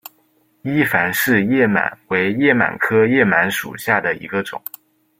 伊凡氏叶螨为叶螨科叶螨属下的一个种。